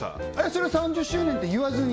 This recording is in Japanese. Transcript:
それは３０周年って言わずに？